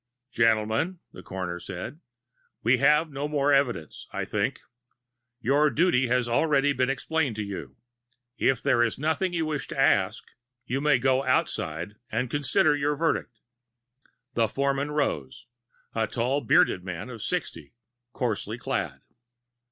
"Gentlemen," the coroner said, "we have no more evidence, I think. Your duty has been already explained to you; if there is nothing you wish to ask you may go outside and consider your verdict." The foreman rose a tall, bearded man of sixty, coarsely clad.